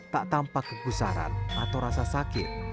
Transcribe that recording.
tak tampak kegusaran atau rasa sakit